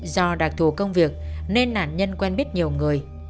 do đặc thù công việc nên nạn nhân quen biết nhiều người